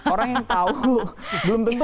orang yang tahu belum tentu